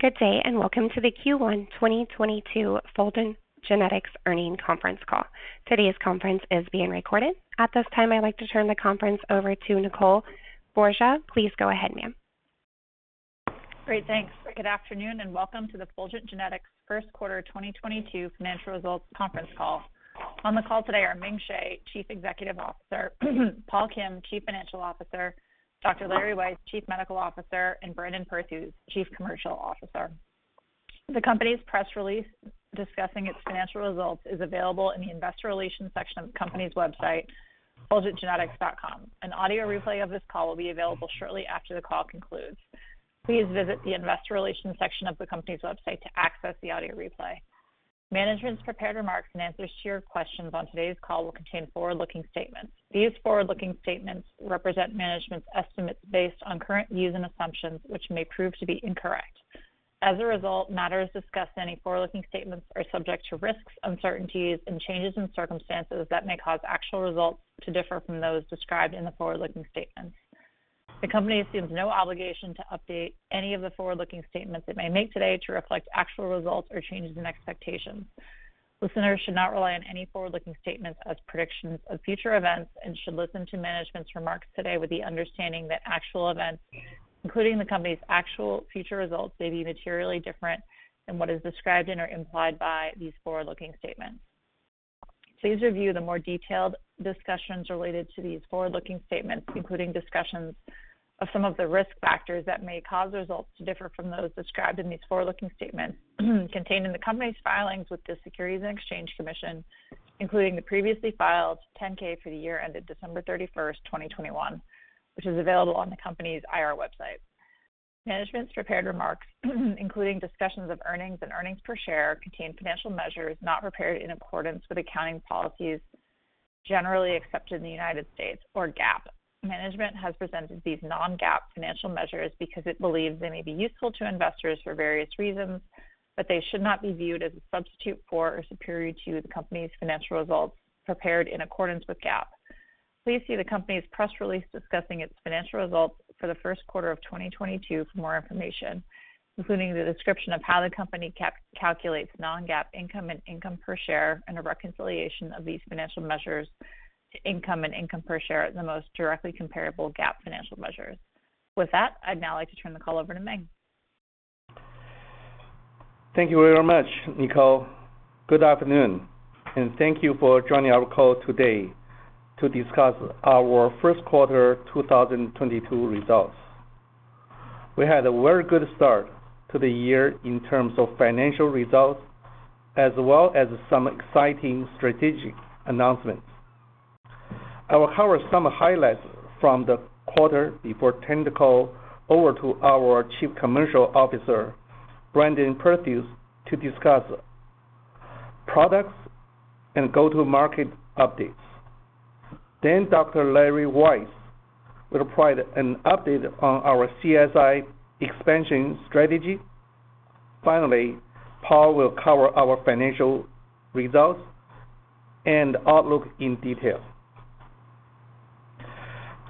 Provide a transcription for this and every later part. Good day, and welcome to the Q1 2022 Fulgent Genetics Earnings Conference Call. Today's conference is being recorded. At this time, I'd like to turn the conference over to Nicole Borsje. Please go ahead, ma'am. Great. Thanks. Good afternoon, and welcome to the Fulgent Genetics Q1 2022 Financial Results Conference Call. On the call today are Ming Hsieh, Chief Executive Officer, Paul Kim, Chief Financial Officer, Dr. Larry Weiss, Chief Medical Officer, and Brandon Perthuis, Chief Commercial Officer. The company's press release discussing its financial results is available in the investor relations section of the company's website, fulgentgenetics.com. An audio replay of this call will be available shortly after the call concludes. Please visit the investor relations section of the company's website to access the audio replay. Management's prepared remarks and answers to your questions on today's call will contain forward-looking statements. These forward-looking statements represent management's estimates based on current views and assumptions which may prove to be incorrect. As a result, matters discussed in any forward-looking statements are subject to risks, uncertainties, and changes in circumstances that may cause actual results to differ from those described in the forward-looking statements. The company assumes no obligation to update any of the forward-looking statements it may make today to reflect actual results or changes in expectations. Listeners should not rely on any forward-looking statements as predictions of future events and should listen to management's remarks today with the understanding that actual events, including the company's actual future results, may be materially different than what is described in or implied by these forward-looking statements. Please review the more detailed discussions related to these forward-looking statements, including discussions of some of the risk factors that may cause results to differ from those described in these forward-looking statements contained in the company's filings with the Securities and Exchange Commission, including the previously filed 10-K for the year ended December 31, 2021, which is available on the company's IR website. Management's prepared remarks, including discussions of earnings and earnings per share, contain financial measures not prepared in accordance with accounting policies generally accepted in the United States or GAAP. Management has presented these non-GAAP financial measures because it believes they may be useful to investors for various reasons, but they should not be viewed as a substitute for or superior to the company's financial results prepared in accordance with GAAP. Please see the company's press release discussing its financial results for the Q1 of 2022 for more information, including the description of how the company calculates non-GAAP income and income per share, and a reconciliation of these financial measures to income and income per share are the most directly comparable GAAP financial measures. With that, I'd now like to turn the call over to Ming. Thank you very much, Nicole. Good afternoon, and thank you for joining our call today to discuss our Q1 2022 results. We had a very good start to the year in terms of financial results as well as some exciting strategic announcements. I will cover some highlights from the quarter before turning the call over to our Chief Commercial Officer, Brandon Perthuis, to discuss products and go-to-market updates. Then Dr. Larry Weiss will provide an update on our CSI expansion strategy. Finally, Paul will cover our financial results, and outlook in detail.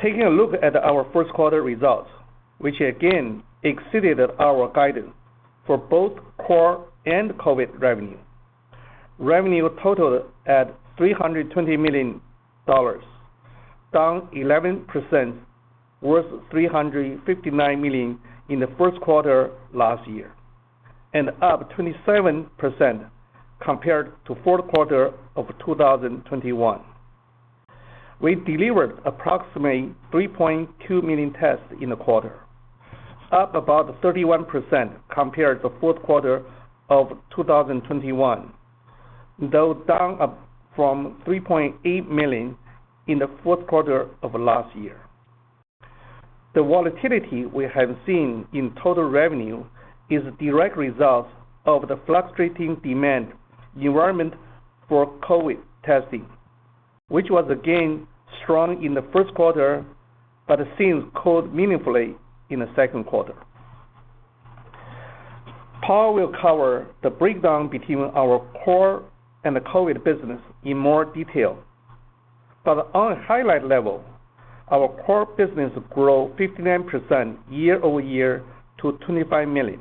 Taking a look at our Q1 results, which again exceeded our guidance for both core and COVID revenue. Revenue totaled at $320 million, down 11% versus $359 million in the Q1 last year, and up 27% compared to Q4 of 2021. We delivered approximately 3.2 million tests in the quarter, up about 31% compared to Q4 of 2021, though down from 3.8 million in the Q4 of last year. The volatility we have seen in total revenue is a direct result of the fluctuating demand environment for COVID testing, which was again strong in the Q1 but has since cooled meaningfully in the Q2. Paul will cover the breakdown between our core and the COVID business in more detail. On a highlight level, our core business grew 59% year-over-year to $25 million.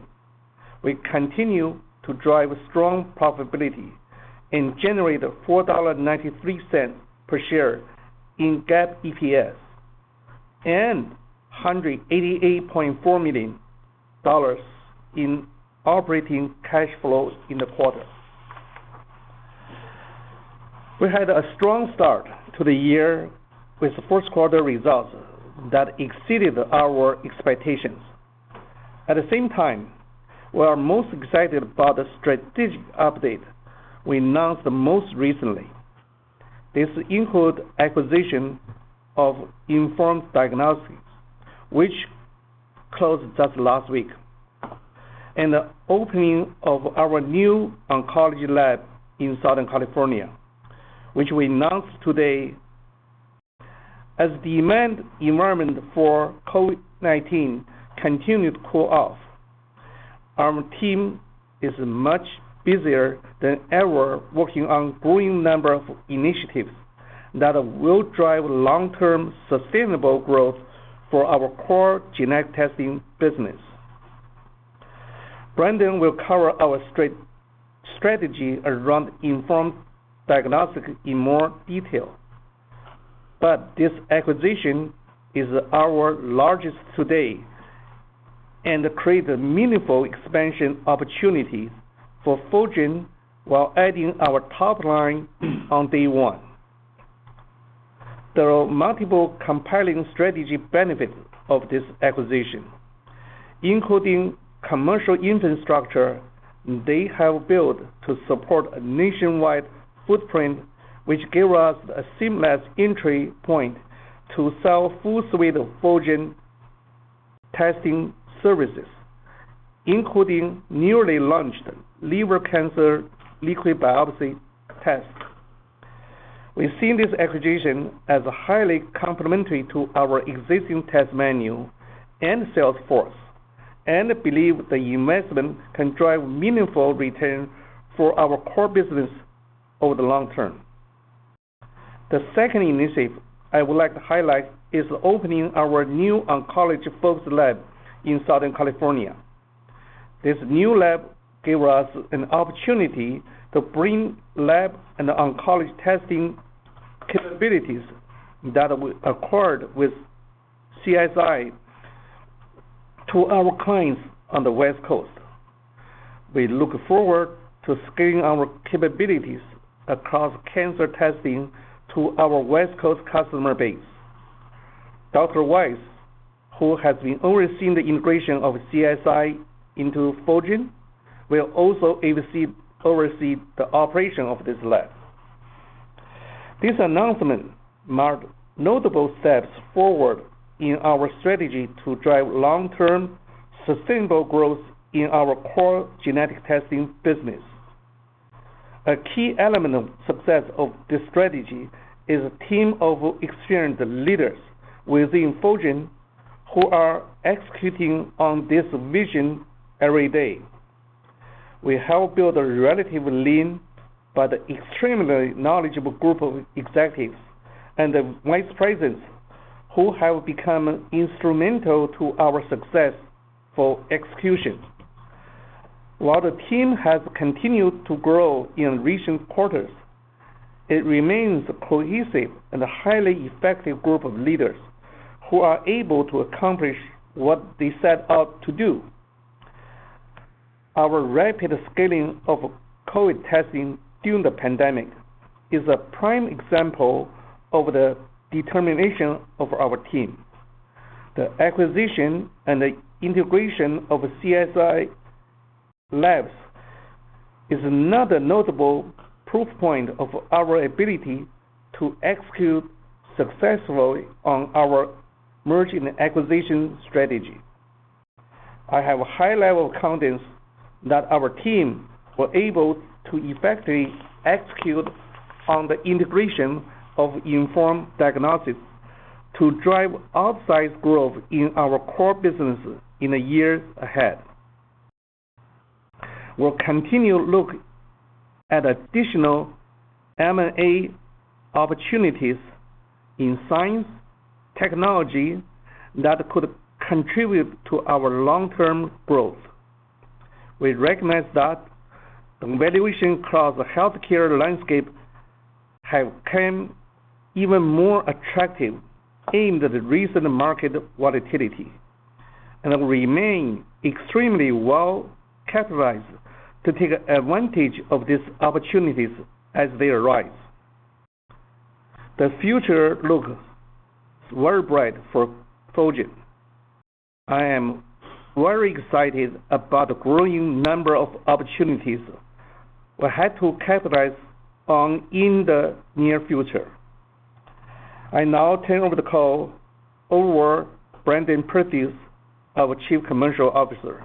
We continue to drive strong profitability and generated $4.93 per share in GAAP EPS and $188.4 million in operating cash flows in the quarter. We had a strong start to the year with Q1 results that exceeded our expectations. At the same time, we are most excited about the strategic update we announced most recently. This includes acquisition of Inform Diagnostics, which closed just last week, and the opening of our new oncology lab in Southern California, which we announced today. As demand environment for COVID-19 continued to cool off, our team is much busier than ever working on growing number of initiatives, that will drive long-term sustainable growth for our core genetic testing business. Brandon will cover our strategy around Inform Diagnostics in more detail. This acquisition is our largest to date, and creates a meaningful expansion opportunity for Fulgent while adding to our top line on day one. There are multiple compelling strategic benefits of this acquisition, including commercial infrastructure they have built to support a nationwide footprint, which give us a seamless entry point to sell full suite of Fulgent testing services, including newly launched liver cancer liquid biopsy test. We see this acquisition as highly complementary to our existing test menu and sales force, and believe the investment can drive meaningful returns for our core business over the long term. The second initiative I would like to highlight is opening our new oncology-focused lab in Southern California. This new lab give us an opportunity to bring lab and oncology testing capabilities that acquired with CSI to our clients on the West Coast. We look forward to scaling our capabilities across cancer testing to our West Coast customer base. Dr. Weiss, who has been overseeing the integration of CSI into Fulgent, will also oversee the operation of this lab. This announcement marked notable steps forward in our strategy to drive long-term sustainable growth in our core genetic testing business. A key element of success of this strategy is a team of experienced leaders within Fulgent who are executing on this vision every day. We have built a relatively lean but extremely knowledgeable group of executives and vice presidents who have become instrumental to our success for execution. While the team has continued to grow in recent quarters, it remains a cohesive and highly effective group of leaders, who are able to accomplish what they set out to do. Our rapid scaling of COVID testing during the pandemic is a prime example of the determination of our team. The acquisition and the integration of CSI Labs is another notable proof point of our ability to execute successfully on our merger and acquisition strategy. I have high level confidence that our team will able to effectively execute on the integration of Inform Diagnostics to drive outsized growth in our core business in the years ahead. We'll continue look at additional M&A opportunities in science, technology that could contribute to our long-term growth. We recognize that the valuation across the healthcare landscape have become even more attractive amid the recent market volatility, and remain extremely well-capitalized to take advantage of these opportunities as they arise. The future looks very bright for Fulgent. I am very excited about the growing number of opportunities we have to capitalize on in the near future. I now turn the call over to Brandon Perthuis, our Chief Commercial Officer.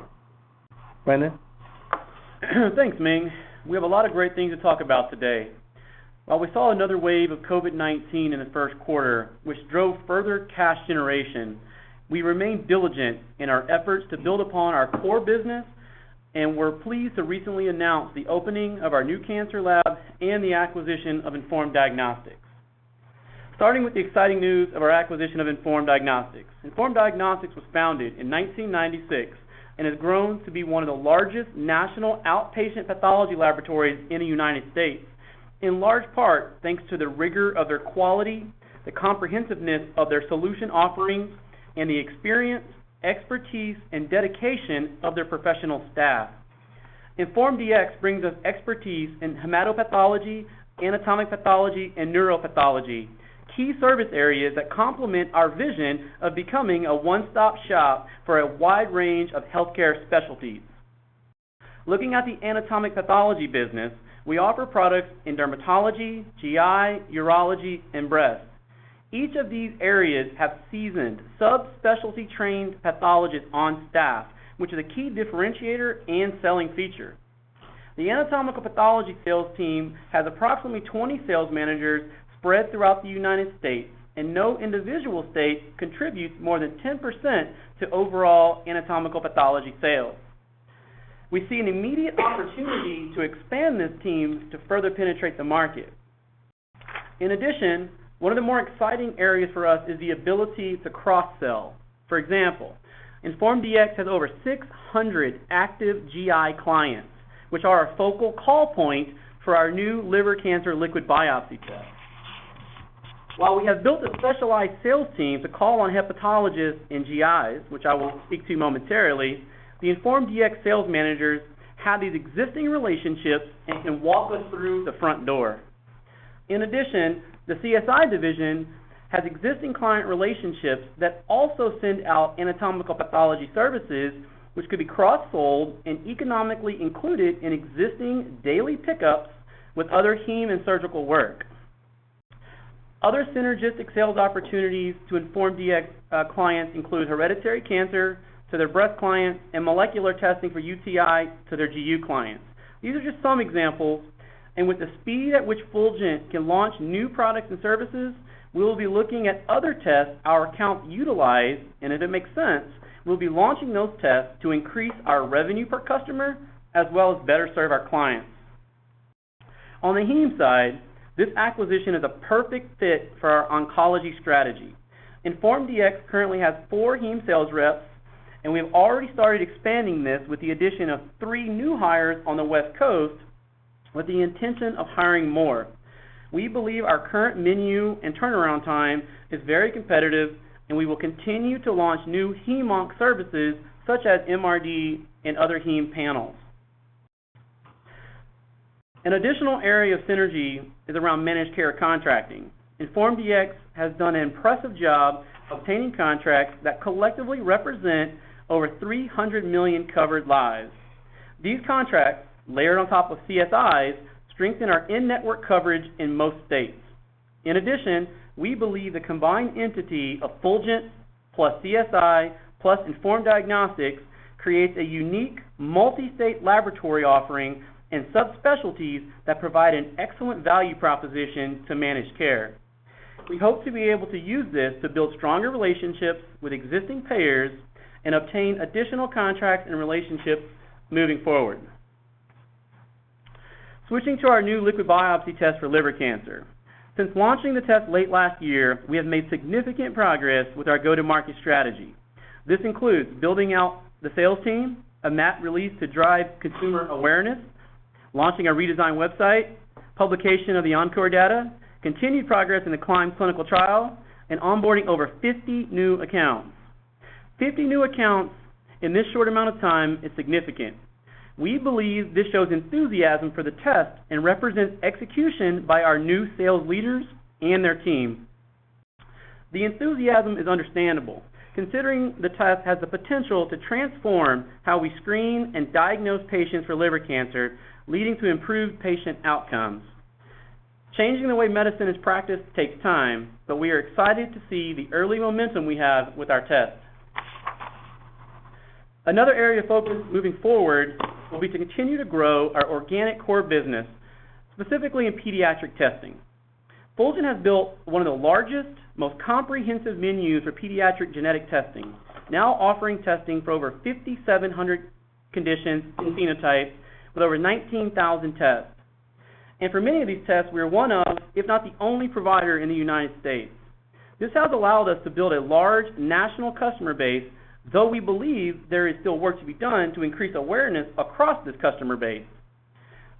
Brandon? Thanks, Ming. We have a lot of great things to talk about today. While we saw another wave of COVID-19 in the Q1 which drove further cash generation, we remain diligent in our efforts to build upon our core business, and we're pleased to recently announce the opening of our new cancer lab and the acquisition of Inform Diagnostics. Starting with the exciting news of our acquisition of Inform Diagnostics. Inform Diagnostics was founded in 1996, and has grown to be one of the largest national outpatient pathology laboratories in the United States, in large part thanks to the rigor of their quality, the comprehensiveness of their solution offerings, and the experience, expertise, and dedication of their professional staff. Inform Dx brings us expertise in hematopathology, anatomic pathology, and neuropathology, key service areas that complement our vision of becoming a one-stop shop for a wide range of healthcare specialties. Looking at the anatomic pathology business, we offer products in dermatology, GI, urology, and breast. Each of these areas have seasoned subspecialty trained pathologists on staff, which is a key differentiator and selling feature. The anatomic pathology sales team has approximately 20 sales managers spread throughout the United States, and no individual state contributes more than 10% to overall anatomic pathology sales. We see an immediate opportunity to expand this team to further penetrate the market. In addition, one of the more exciting areas for us is the ability to cross-sell. For example, Inform Dx has over 600 active GI clients, which are our focal call point for our new liver cancer liquid biopsy test. While we have built a specialized sales team to call on hepatologists and GIs, which I will speak to momentarily, the Inform Dx sales managers have these existing relationships and can walk us through the front door. In addition, the CSI division has existing client relationships that also send out anatomic pathology services, which could be cross-sold and economically included in existing daily pickups with other heme and surgical work. Other synergistic sales opportunities to Inform Dx clients include hereditary cancer to their breast clients and molecular testing for UTI to their GU clients. These are just some examples, and with the speed at which Fulgent can launch new products and services, we will be looking at other tests our accounts utilize, and if it makes sense, we'll be launching those tests to increase our revenue per customer, as well as better serve our clients. On the heme side, this acquisition is a perfect fit for our oncology strategy. Inform Dx currently has four heme sales reps, and we have already started expanding this with the addition of three new hires on the West Coast, with the intention of hiring more. We believe our current menu and turnaround time is very competitive, and we will continue to launch new heme onc services such as MRD and other heme panels. An additional area of synergy is around managed care contracting. Inform Dx has done an impressive job obtaining contracts that collectively represent over 300 million covered lives. These contracts, layered on top of CSI's, strengthen our in-network coverage in most states. In addition, we believe the combined entity of Fulgent, plus CSI, plus Inform Diagnostics, creates a unique multi-state laboratory offering, and subspecialties that provide an excellent value proposition to managed care. We hope to be able to use this to build stronger relationships with existing payers and obtain additional contracts and relationships moving forward. Switching to our new liquid biopsy test for liver cancer. Since launching the test late last year, we have made significant progress with our go-to-market strategy. This includes building out the sales team, an app release to drive consumer awareness, launching a redesigned website, publication of the ENCORE data, continued progress in the CLIMB clinical trial, and onboarding over 50 new accounts. 50 new accounts in this short amount of time is significant. We believe this shows enthusiasm for the test and represents execution by our new sales leaders and their team. The enthusiasm is understandable, considering the test has the potential to transform how we screen and diagnose patients for liver cancer, leading to improved patient outcomes. Changing the way medicine is practiced takes time, but we are excited to see the early momentum we have with our test. Another area of focus moving forward will be to continue to grow our organic core business, specifically in pediatric testing. Fulgent has built one of the largest, most comprehensive menus for pediatric genetic testing, now offering testing for over 5,700 conditions and phenotypes with over 19,000 tests. For many of these tests, we are one of, if not the only provider in the United States. This has allowed us to build a large national customer base, though we believe there is still work to be done to increase awareness across this customer base.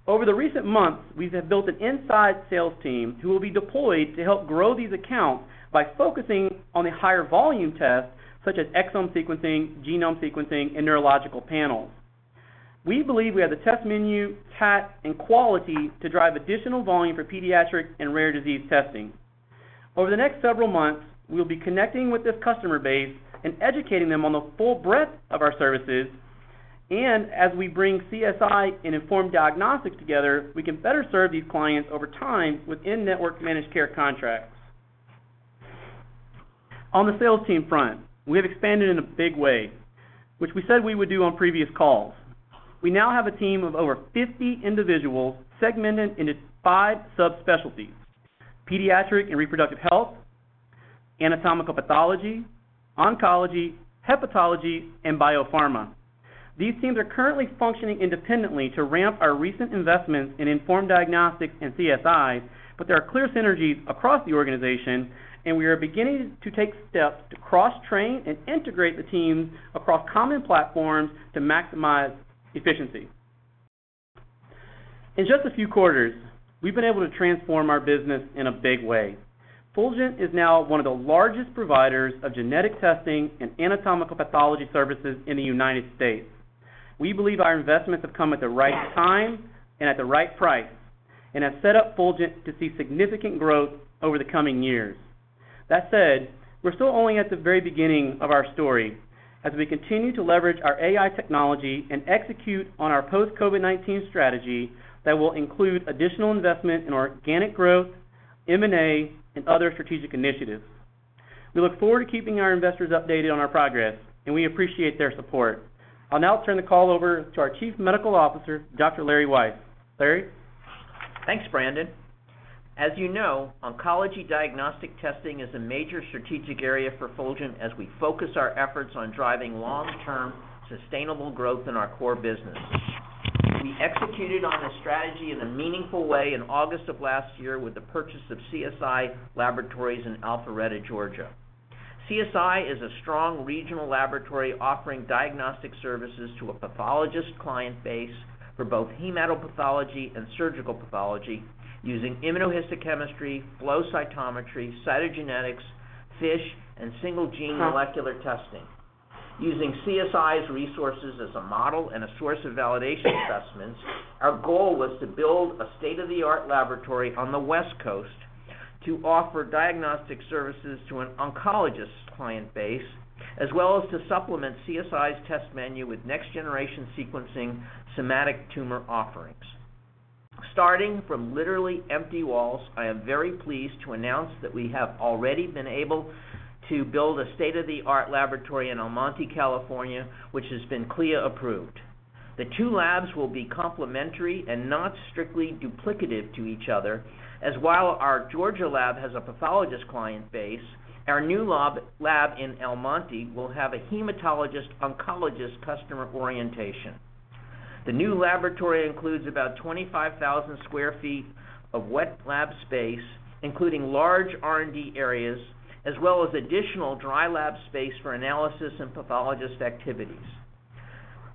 Over the recent months, we have built an inside sales team who will be deployed to help grow these accounts by focusing on the higher volume tests such as exome sequencing, genome sequencing, and neurological panels. We believe we have the test menu, TAT, and quality to drive additional volume for pediatric and rare disease testing. Over the next several months, we will be connecting with this customer base and educating them on the full breadth of our services and as we bring CSI and Inform Diagnostics together, we can better serve these clients over time with in-network managed care contracts. On the sales team front, we have expanded in a big way, which we said we would do on previous calls. We now have a team of over 50 individuals segmented into five subspecialties, pediatric and reproductive health, anatomic pathology, oncology, hepatology, and biopharma. These teams are currently functioning independently to ramp our recent investments in Inform Diagnostics and CSI, but there are clear synergies across the organization and we are beginning to take steps to cross-train and integrate the teams across common platforms to maximize efficiency. In just a few quarters, we've been able to transform our business in a big way. Fulgent is now one of the largest providers of genetic testing and anatomic pathology services in the United States. We believe our investments have come at the right time and at the right price, and have set up Fulgent to see significant growth over the coming years. That said, we're still only at the very beginning of our story as we continue to leverage our AI technology and execute on our post COVID-19 strategy that will include additional investment in organic growth, M&A, and other strategic initiatives. We look forward to keeping our investors updated on our progress, and we appreciate their support. I'll now turn the call over to our Chief Medical Officer, Dr. Larry Weiss. Larry? Thanks, Brandon. As you know, oncology diagnostic testing is a major strategic area for Fulgent as we focus our efforts on driving long-term sustainable growth in our core business. We executed on this strategy in a meaningful way in August of last year with the purchase of CSI Laboratories in Alpharetta, Georgia. CSI is a strong regional laboratory offering diagnostic services to a pathologist client base for both hematopathology and surgical pathology using immunohistochemistry, flow cytometry, cytogenetics, FISH, and single gene molecular testing. Using CSI's resources as a model and a source of validation assessments, our goal was to build a state-of-the-art laboratory on the West Coast to offer diagnostic services to an oncologist client base, as well as to supplement CSI's test menu with next-generation sequencing somatic tumor offerings. Starting from literally empty walls, I am very pleased to announce that we have already been able to build a state-of-the-art laboratory in El Monte, California, which has been CLIA approved. The two labs will be complementary and not strictly duplicative to each other, as while our Georgia lab has a pathologist client base, our new lab in El Monte will have a hematologist oncologist customer orientation. The new laboratory includes about 25,000 sq ft of wet lab space, including large R&D areas, as well as additional dry lab space for analysis and pathologist activities.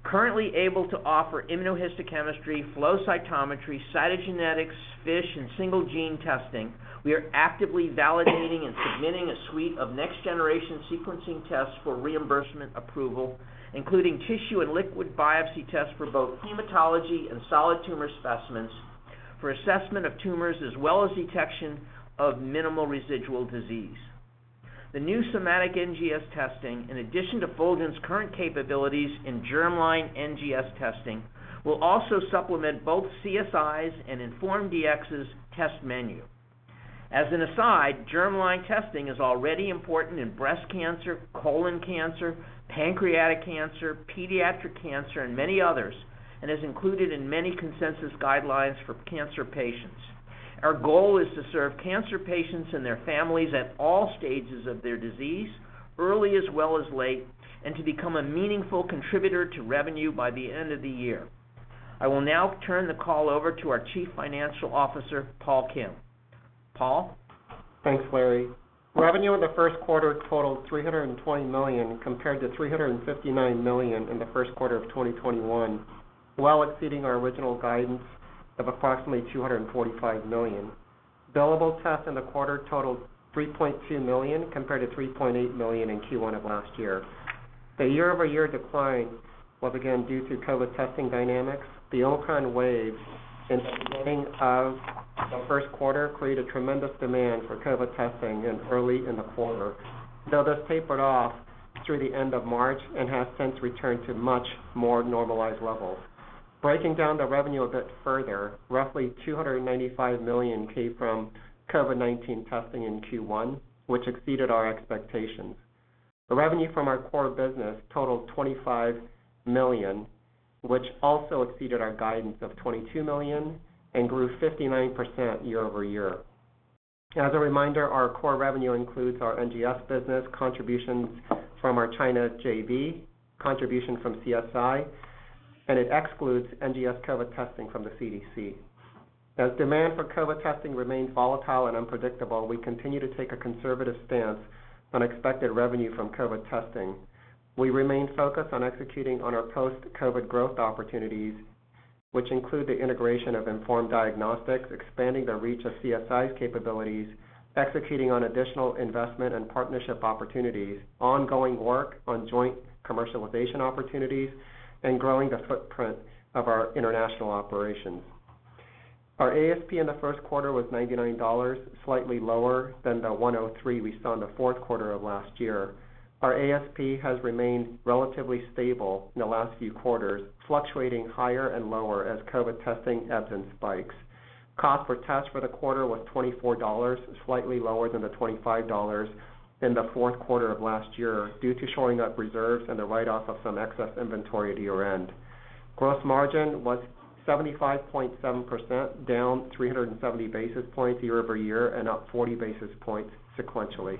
Currently able to offer immunohistochemistry, flow cytometry, cytogenetics, FISH, and single gene testing, we are actively validating and submitting a suite of next-generation sequencing tests for reimbursement approval, including tissue and liquid biopsy tests for both hematology and solid tumor specimens for assessment of tumors, as well as detection of minimal residual disease. The new somatic NGS testing, in addition to Fulgent's current capabilities in germline NGS testing, will also supplement both CSI's and Inform Dx's test menu. As an aside, germline testing is already important in breast cancer, colon cancer, pancreatic cancer, pediatric cancer, and many others, and is included in many consensus guidelines for cancer patients. Our goal is to serve cancer patients and their families at all stages of their disease, early as well as late, and to become a meaningful contributor to revenue by the end of the year. I will now turn the call over to our Chief Financial Officer, Paul Kim. Paul? Thanks, Larry. Revenue in the Q1 totaled $320 million compared to $359 million in the Q1 of 2021, well exceeding our original guidance of approximately $245 million. Billable tests in the quarter totaled 3.2 million compared to 3.8 million in Q1 of last year. The year-over-year decline was again due to COVID testing dynamics. The Omicron wave in the beginning of the Q1 created tremendous demand for COVID testing early in the quarter, though this tapered off through the end of March and has since returned to much more normalized levels. Breaking down the revenue a bit further, roughly $295 million came from COVID-19 testing in Q1, which exceeded our expectations. The revenue from our core business totaled $25 million, which also exceeded our guidance of $22 million and grew 59% year-over-year. As a reminder, our core revenue includes our NGS business, contributions from our China JV, contribution from CSI, and it excludes NGS COVID testing from the CDC. As demand for COVID testing remains volatile and unpredictable, we continue to take a conservative stance on expected revenue from COVID testing. We remain focused on executing on our post-COVID growth opportunities, which include the integration of Inform Diagnostics, expanding the reach of CSI's capabilities, executing on additional investment and partnership opportunities, ongoing work on joint commercialization opportunities, and growing the footprint of our international operations. Our ASP in the Q1 was $99, slightly lower than the $103 we saw in the Q4 of last year. Our ASP has remained relatively stable in the last few quarters, fluctuating higher and lower as COVID testing ebbs and spikes. Cost per test for the quarter was $24, slightly lower than the $25 in the Q4 of last year due to shoring up reserves and the write-off of some excess inventory at year-end. Gross margin was 75.7%, down 370 basis points year-over-year and up 40 basis points sequentially.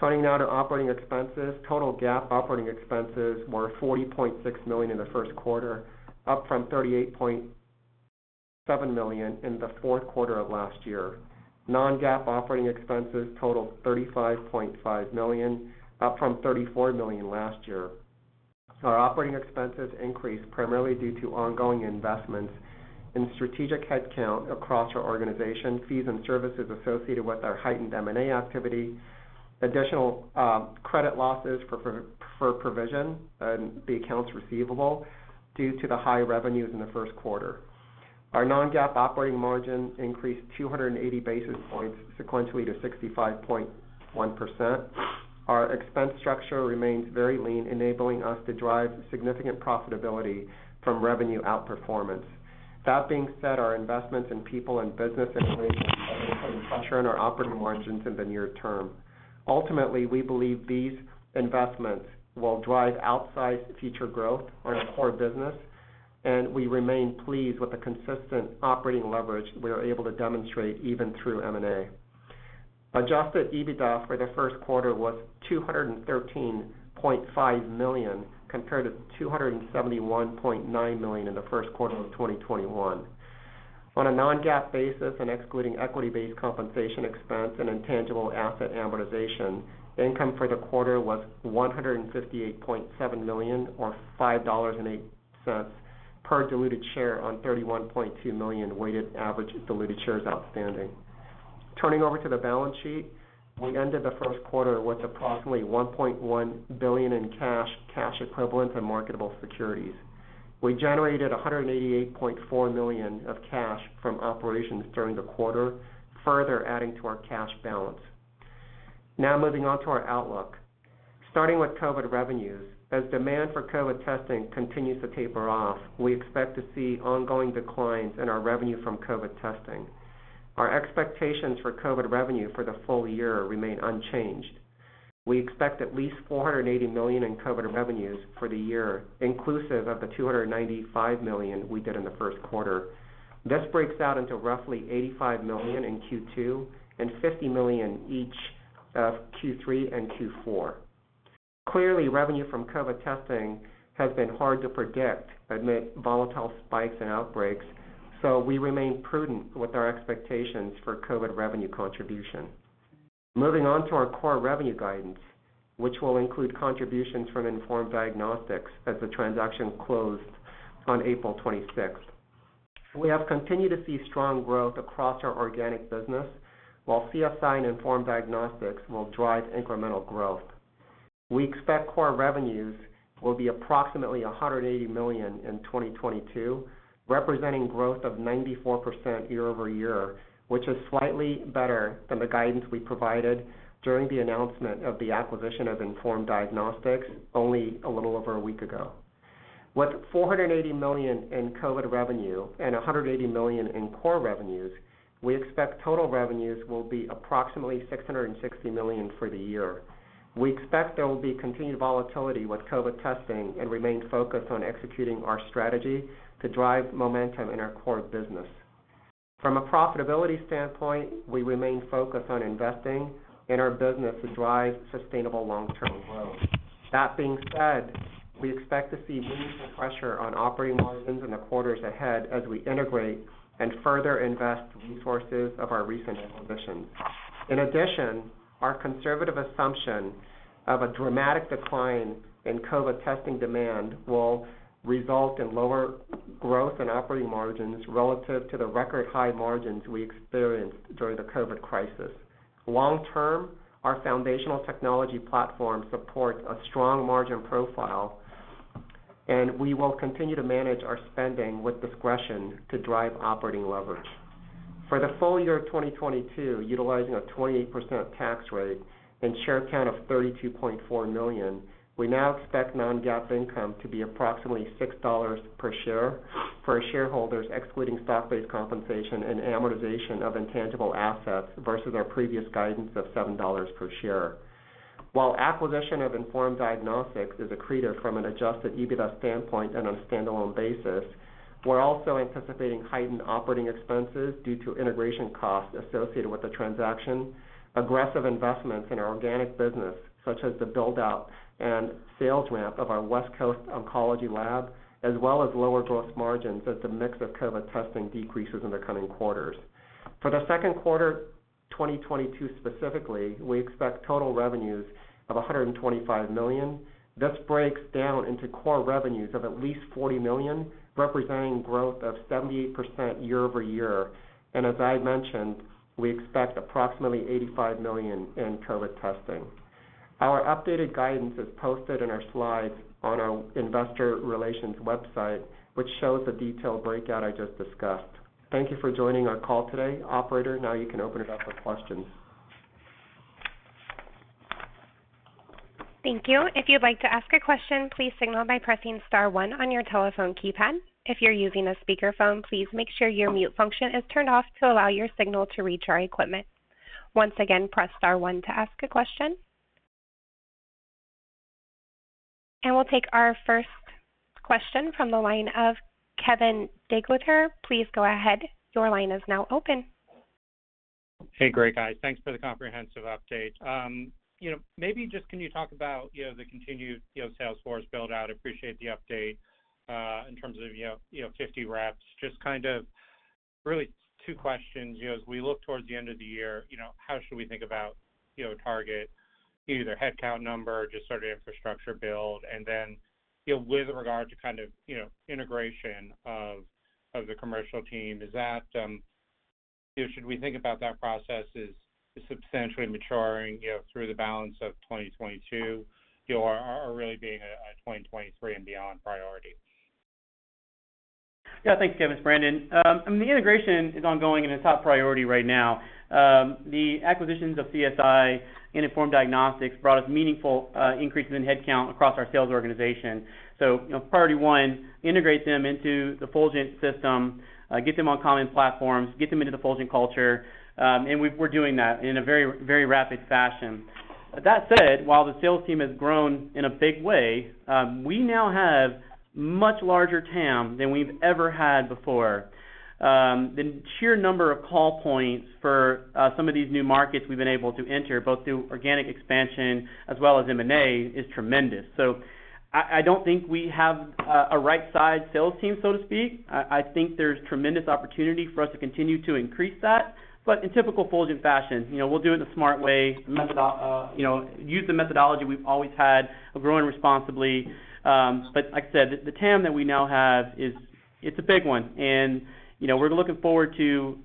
Turning now to operating expenses. Total GAAP operating expenses were $40.6 million in the Q1, up from $38.7 million in the Q4 of last year. Non-GAAP operating expenses totaled $35.5 million, up from $34 million last year. Our operating expenses increased primarily due to ongoing investments in strategic headcount across our organization, fees and services associated with our heightened M&A activity, additional provision for credit losses, and the accounts receivable due to the high revenues in the Q1. Our non-GAAP operating margin increased 280 basis points sequentially to 65.1%. Our expense structure remains very lean, enabling us to drive significant profitability from revenue outperformance. That being said, our investments in people and business integration are going to put pressure on our operating margins in the near term. Ultimately, we believe these investments will drive outsized future growth in our core business, and we remain pleased with the consistent operating leverage we are able to demonstrate even through M&A. Adjusted EBITDA for the Q1 was $213.5 million compared to $271.9 million in the Q1 of 2021. On a non-GAAP basis and excluding equity-based compensation expense and intangible asset amortization, income for the quarter was $158.7 million or $5.08 per diluted share on 31.2 million weighted average diluted shares outstanding. Turning to the balance sheet, we ended the Q1 with approximately $1.1 billion in cash equivalents, and marketable securities. We generated $188.4 million of cash from operations during the quarter, further adding to our cash balance. Now moving on to our outlook. Starting with COVID revenues, as demand for COVID testing continues to taper off, we expect to see ongoing declines in our revenue from COVID testing. Our expectations for COVID revenue for the full year remain unchanged. We expect at least $480 million in COVID revenues for the year, inclusive of the $295 million we did in the Q1. This breaks out into roughly $85 million in Q2 and $50 million each of Q3 and Q4. Clearly, revenue from COVID testing has been hard to predict amid volatile spikes and outbreaks, so we remain prudent with our expectations for COVID revenue contribution. Moving on to our core revenue guidance, which will include contributions from Inform Diagnostics as the transaction closed on April 26th. We have continued to see strong growth across our organic business while CSI and Inform Diagnostics will drive incremental growth. We expect core revenues will be approximately $180 million in 2022, representing growth of 94% year-over-year, which is slightly better than the guidance we provided during the announcement of the acquisition of Inform Diagnostics only a little over a week ago. With $480 million in COVID revenue and $180 million in core revenues, we expect total revenues will be approximately $660 million for the year. We expect there will be continued volatility with COVID testing and remain focused on executing our strategy to drive momentum in our core business. From a profitability standpoint, we remain focused on investing in our business to drive sustainable long-term growth. That being said, we expect to see meaningful pressure on operating margins in the quarters ahead as we integrate and further invest resources of our recent acquisitions. In addition, our conservative assumption of a dramatic decline in COVID testing demand will result in lower growth and operating margins relative to the record-high margins we experienced during the COVID crisis. Long term, our foundational technology platform supports a strong margin profile, and we will continue to manage our spending with discretion to drive operating leverage. For the full year of 2022, utilizing a 28% tax rate and share count of 32.4 million, we now expect non-GAAP income to be approximately $6 per share for our shareholders, excluding stock-based compensation and amortization of intangible assets versus our previous guidance of $7 per share. While acquisition of Inform Diagnostics is accretive from an adjusted EBITDA standpoint and on a standalone basis, we're also anticipating heightened operating expenses due to integration costs associated with the transaction, aggressive investments in our organic business, such as the build-out and sales ramp of our West Coast oncology lab, as well as lower gross margins as the mix of COVID testing decreases in the coming quarters. For the Q2 2022 specifically, we expect total revenues of $125 million. This breaks down into core revenues of at least $40 million, representing growth of 78% year-over-year. As I had mentioned, we expect approximately $85 million in COVID testing. Our updated guidance is posted in our slides on our investor relations website, which shows the detailed breakout I just discussed. Thank you for joining our call today. Operator, now you can open it up for questions. Thank you. If you'd like to ask a question, please signal by pressing star one on your telephone keypad. If you're using a speakerphone, please make sure your mute function is turned off to allow your signal to reach our equipment. Once again, press star one to ask a question. We'll take our first question from the line of Kevin DeGeeter. Please go ahead. Your line is now open. Hey, great, guys. Thanks for the comprehensive update. You know, maybe just can you talk about, you know, the continued, you know, sales force build-out? Appreciate the update in terms of, you know, 50 reps. Just kind of really two questions. You know, as we look towards the end of the year, you know, how should we think about, you know, target either headcount number or just sort of infrastructure build? You know, with regard to kind of, you know, integration of the commercial team, is that, you know, should we think about that process as substantially maturing, you know, through the balance of 2022 or really being a 2023 and beyond priority? Yeah. Thanks, Kevin. It's Brandon. I mean, the integration is ongoing and a top priority right now. The acquisitions of CSI and Inform Diagnostics brought us meaningful increases in headcount across our sales organization. You know, priority one, integrate them into the Fulgent system, get them on common platforms, get them into the Fulgent culture, and we're doing that in a very, very rapid fashion. That said, while the sales team has grown in a big way, we now have much larger TAM than we've ever had before. The sheer number of call points for some of these new markets we've been able to enter, both through organic expansion as well as M&A, is tremendous. I don't think we have a right size sales team, so to speak. I think there's tremendous opportunity for us to continue to increase that. In typical Fulgent fashion, you know, we'll do it the smart way, you know, use the methodology we've always had of growing responsibly. Like I said, the TAM that we now have is it's a big one. You know, we're looking forward to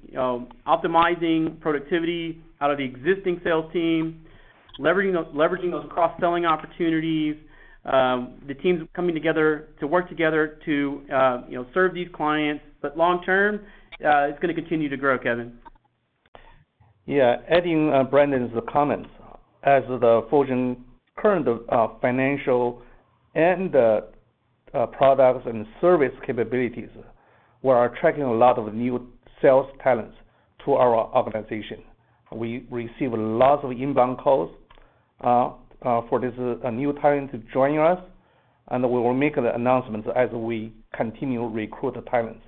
optimizing productivity out of the existing sales team, leveraging those cross-selling opportunities. The teams coming together to work together to you know, serve these clients. Long term, it's going to continue to grow, Kevin. Yeah, adding Brandon's comments. As the Fulgent's current financial and products and service capabilities, we are attracting a lot of new sales talents to our organization. We receive lots of inbound calls for this new talent to join us, and we will make the announcements as we continue to recruit the talents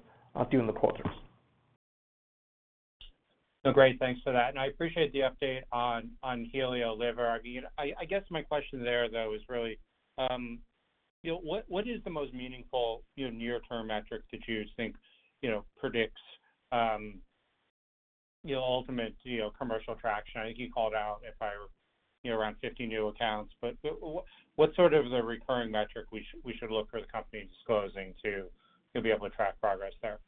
during the quarters. Great. Thanks for that. I appreciate the update on HelioLiver. I mean, I guess my question there though is really, you know, what is the most meaningful, you know, near-term metric that you think, you know, predicts, you know, ultimate, you know, commercial traction? I think you called out, you know, around 50 new accounts, but what sort of the recurring metric we should look for the company disclosing to be able to track progress there?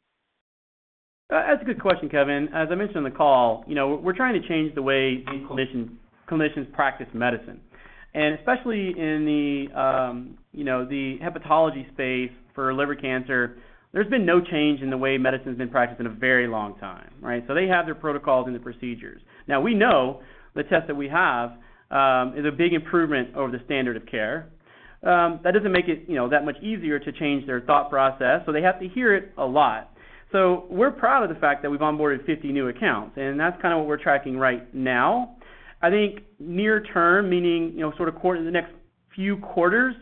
That's a good question, Kevin. As I mentioned in the call, you know, we're trying to change the way clinicians practice medicine. Especially in the, you know, the hepatology space for liver cancer, there's been no change in the way medicine's been practiced in a very long time, right? They have their protocols and their procedures. Now, we know the test that we have is a big improvement over the standard of care. That doesn't make it, you know, that much easier to change their thought process, so they have to hear it a lot. We're proud of the fact that we've onboarded 50 new accounts, and that's kinda what we're tracking right now. I think near term, meaning, you know, sort of the next few quarters,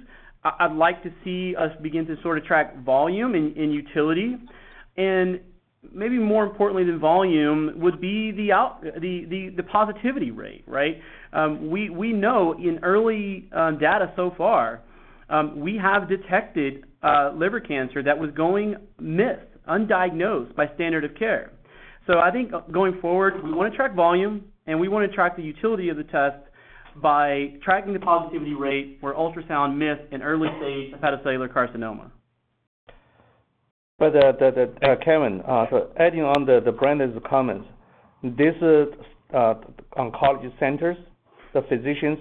I'd like to see us begin to sort of track volume in utility. Maybe more importantly than volume would be the positivity rate, right? We know in early data so far, we have detected liver cancer that was going missed, undiagnosed by standard of care. I think going forward, we want to track volume and we want to track the utility of the test by tracking the positivity rate where ultrasound missed an early stage hepatocellular carcinoma. Kevin, so adding on Brandon's comments. These oncology centers, the physicians,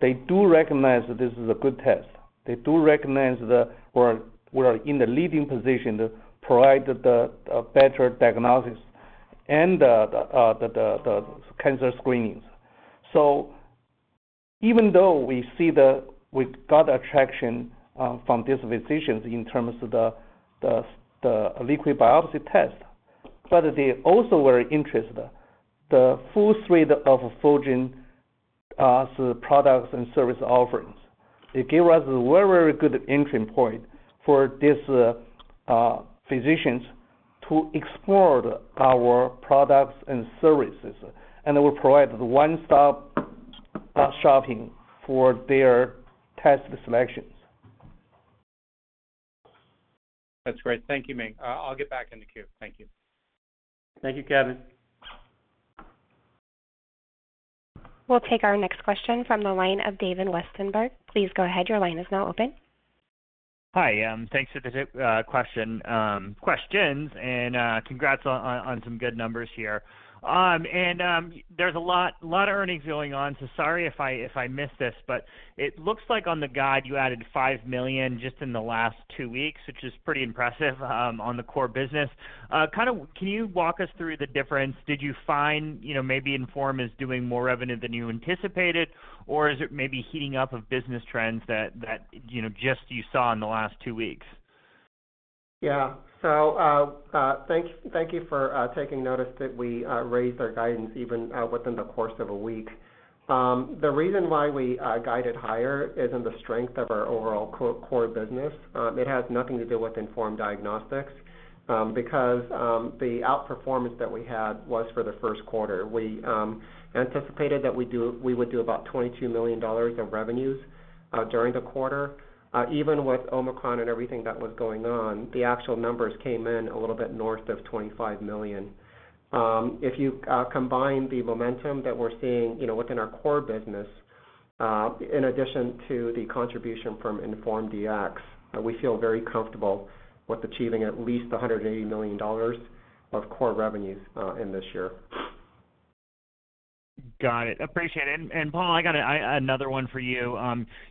they do recognize that this is a good test. They do recognize we're in the leading position to provide the better diagnosis and the cancer screenings. Even though we've got traction from these physicians in terms of the liquid biopsy test, but they also were interested in the full suite of Fulgent's products and service offerings. It gave us a very good entry point for these physicians to explore our products and services, and it will provide one-stop shopping for their test selections. That's great. Thank you, Ming. I'll get back in the queue. Thank you. Thank you, Kevin. We'll take our next question from the line of David Westenberg. Please go ahead, your line is now open. Hi, thanks for the question, and congrats on some good numbers here. There's a lot of earnings going on, so sorry if I missed this, but it looks like on the guide you added $5 million just in the last two weeks, which is pretty impressive on the core business. Can you walk us through the difference? Did you find, you know, maybe Inform is doing more revenue than you anticipated, or is it maybe heating up of business trends that you know just you saw in the last two weeks? Thank you for taking notice that we raised our guidance even within the course of a week. The reason why we guided higher is in the strength of our overall core business. It has nothing to do with Inform Diagnostics, because the outperformance that we had was for the Q1. We anticipated that we would do about $22 million of revenues during the quarter. Even with Omicron and everything that was going on, the actual numbers came in a little bit north of $25 million. If you combine the momentum that we're seeing, you know, within our core business, in addition to the contribution from Inform Dx, we feel very comfortable with achieving at least $180 million of core revenues in this year. Got it. Appreciate it. Paul, I got another one for you.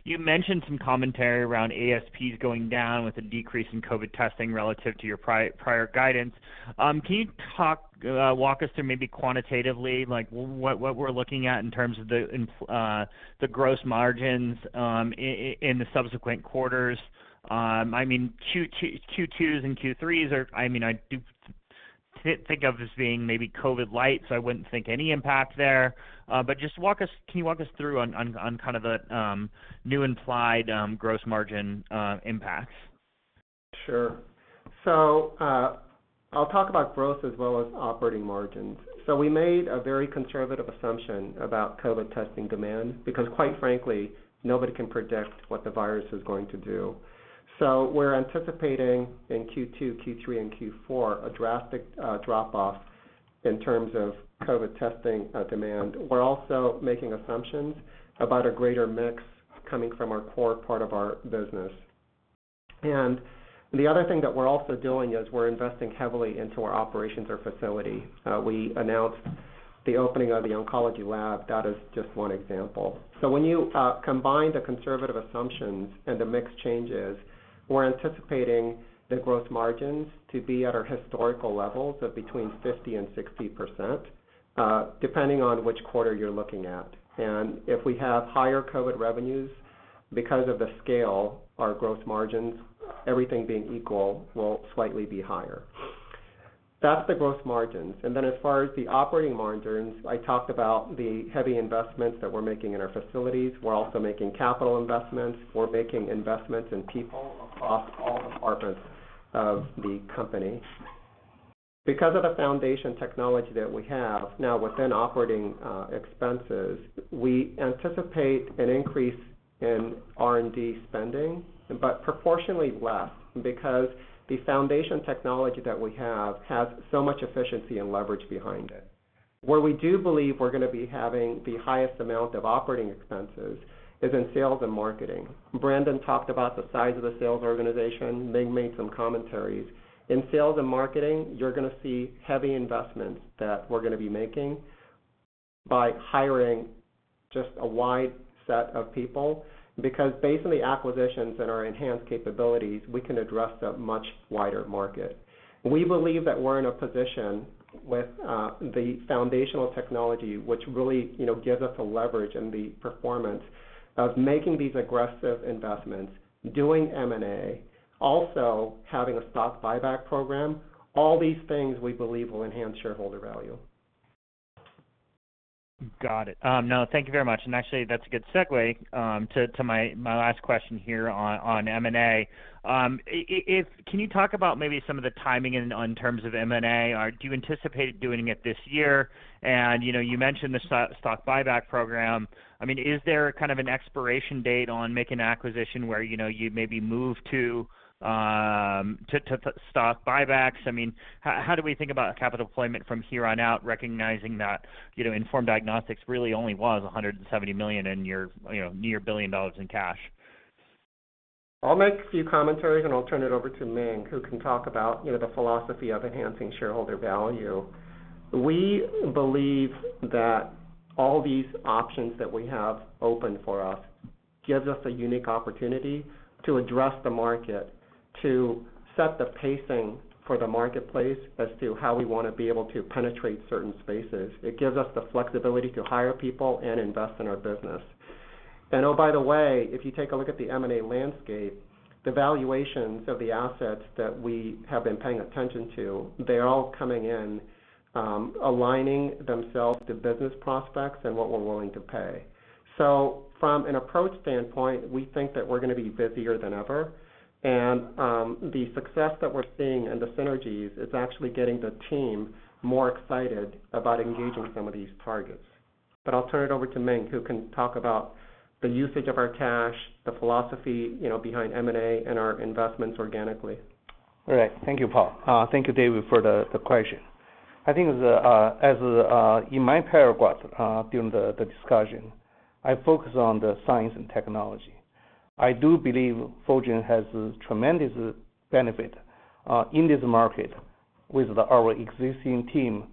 You mentioned some commentary around ASPs going down with a decrease in COVID testing relative to your prior guidance. Can you walk us through maybe quantitatively like what we're looking at in terms of the gross margins in the subsequent quarters? I mean, Q2s and Q3s. I mean, I do think of them as being maybe COVID light, so I wouldn't think there's any impact there. Just walk us through on kind of the new implied gross margin impacts? Sure. I'll talk about gross as well as operating margins. We made a very conservative assumption about COVID testing demand because, quite frankly, nobody can predict what the virus is going to do. We're anticipating in Q2, Q3, and Q4, a drastic drop-off in terms of COVID testing demand. We're also making assumptions about a greater mix coming from our core part of our business. The other thing that we're also doing is we're investing heavily into our facility. We announced the opening of the oncology lab, that is just one example. When you combine the conservative assumptions and the mix changes, we're anticipating the gross margins to be at our historical levels of between 50% and 60%, depending on which quarter you're looking at. If we have higher COVID revenues, because of the scale, our growth margins, everything being equal, will slightly be higher. That's the growth margins. As far as the operating margins, I talked about the heavy investments that we're making in our facilities. We're also making capital investments. We're making investments in people across all departments of the company. Because of the foundation technology that we have, now within operating expenses, we anticipate an increase in R&D spending, but proportionally less because the foundation technology that we have has so much efficiency and leverage behind it. Where we do believe we're going to be having the highest amount of operating expenses is in sales and marketing. Brandon talked about the size of the sales organization. Ming made some commentaries. In sales and marketing, you're going to see heavy investments that we're going to be making by hiring just a wide set of people, because based on the acquisitions and our enhanced capabilities, we can address a much wider market. We believe that we're in a position with, the foundational technology, which really, you know, gives us a leverage in the performance of making these aggressive investments, doing M&A, also having a stock buyback program, all these things we believe will enhance shareholder value. Got it. No, thank you very much. Actually, that's a good segue to my last question here on M&A. Can you talk about maybe some of the timing in terms of M&A? Or do you anticipate doing it this year? You know, you mentioned the stock buyback program. I mean, is there kind of an expiration date on making acquisition where, you know, you maybe move to stock buybacks? I mean, how do we think about capital deployment from here on out, recognizing that, you know, Inform Diagnostics really only was $170 million in your, you know, near $1 billion in cash? I'll make a few commentaries, and I'll turn it over to Ming, who can talk about, you know, the philosophy of enhancing shareholder value. We believe that all these options that we have open for us gives us a unique opportunity to address the market, to set the pacing for the marketplace as to how we want to be able to penetrate certain spaces. It gives us the flexibility to hire people and invest in our business. Oh, by the way, if you take a look at the M&A landscape, the valuations of the assets that we have been paying attention to, they're all coming in, aligning themselves to business prospects and what we're willing to pay. From an approach standpoint, we think that we're going be busier than ever. The success that we're seeing and the synergies is actually getting the team more excited about engaging some of these targets. I'll turn it over to Ming, who can talk about the usage of our cash, the philosophy, you know, behind M&A and our investments organically. All right. Thank you, Paul. Thank you, David, for the question. I think as in my paragraph during the discussion, I focus on the science and technology. I do believe Fulgent has a tremendous benefit in this market with our existing team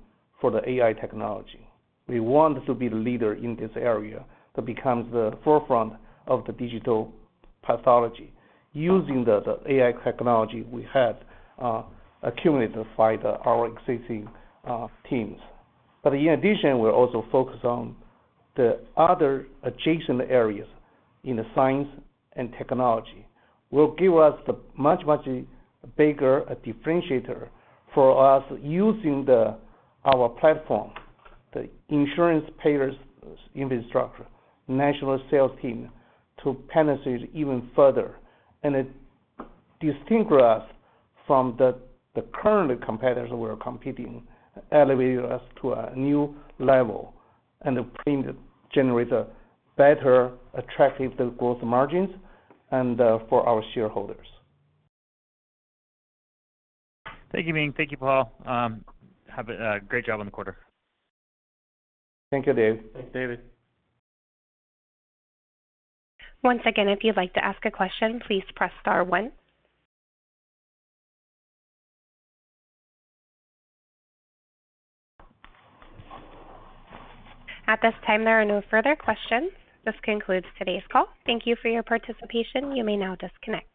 for the AI technology. We want to be the leader in this area that becomes the forefront of the digital pathology using the AI technology we have accumulated by our existing teams. In addition, we're also focused on the other adjacent areas in the science and technology will give us the much bigger differentiator for us using our platform, the insurance payers infrastructure, national sales team to penetrate even further. It distinguish us from the current competitors we are competing, elevating us to a new level and generate a better attractive growth margins and for our shareholders. Thank you, Ming. Thank you, Paul. Have a great job on the quarter. Thank you, Dave. Thanks, David. Once again, if you'd like to ask a question, please press star one. At this time, there are no further questions. This concludes today's call. Thank you for your participation. You may now disconnect.